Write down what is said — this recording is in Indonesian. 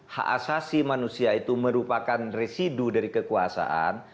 hak asasi manusia itu merupakan residu dari kekuasaan